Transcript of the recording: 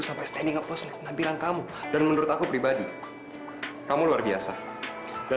sampai standing up pos nampilan kamu dan menurut aku pribadi kamu luar biasa dan